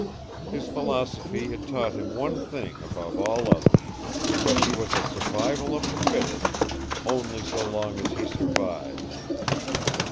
His philosophy had taught him one thing above all others, that he was a survival of the fittest only so long as he survived.